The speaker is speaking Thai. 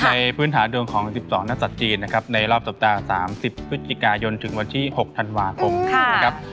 พื้นฐานดวงของ๑๒นักศัตริย์จีนนะครับในรอบสัปดาห์๓๐พฤศจิกายนถึงวันที่๖ธันวาคมนะครับ